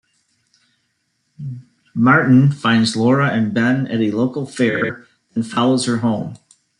Martin finds Laura and Ben at a local fair, then follows her home.